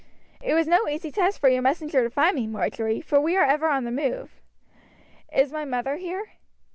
"It was no easy task for your messenger to find me, Marjory, for we are ever on the move. Is my mother here?"